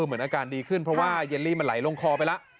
เหมือนอาการดีขึ้นเพราะว่าเยลลี่มันไหลลงคอไปแล้ว